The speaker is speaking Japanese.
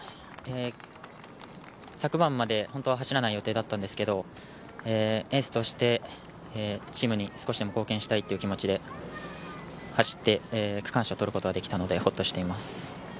昨晩まで本当は走らない予定だったんですけどエースとしてチームに少しでも貢献したいという気持ちで走って区間賞を取ることができたのでホッとしています。